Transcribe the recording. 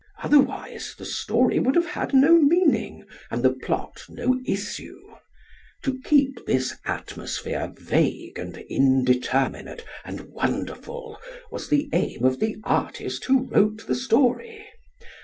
Otherwise the story would have had no meaning and the plot no issue. To keep this atmosphere vague and indeterminate and wonderful was the aim of the artist who wrote the story.